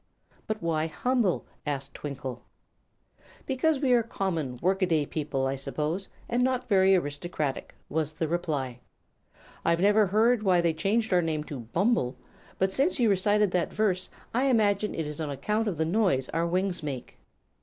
"But why 'humble?'" asked Twinkle. "Because we are common, work a day people, I suppose, and not very aristocratic," was the reply. "I've never heard why they changed our name to 'bumble,' but since you recited that verse I imagine it is on account of the noise our wings make."